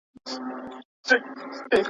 په مرګ به یې زما په څېر خواشینی سوی وي ,